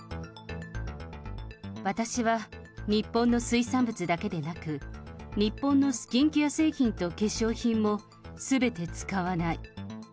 私は日本の水産物だけでなく、日本のスキンケア製品と化粧品もすべて使わない。